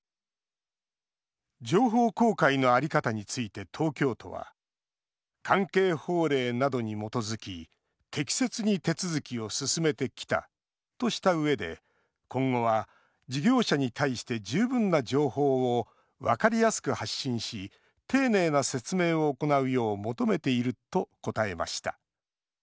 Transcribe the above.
情報公開の在り方について東京都は関係法令などに基づき適切に手続きを進めてきたとしたうえで今後は事業者に対して十分な情報を分かりやすく発信し丁寧な説明を行うよう求めていると答えました。